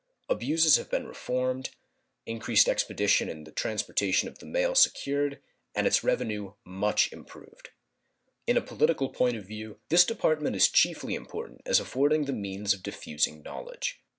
Abuses have been reformed, increased expedition in the transportation of the mail secured, and its revenue much improved. In a political point of view this Department is chiefly important as affording the means of diffusing knowledge.